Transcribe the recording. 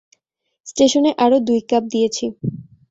স্টেশনে আরও দুই কাপ দিয়েছি।